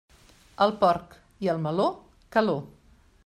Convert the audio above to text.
Al porc i al meló, calor.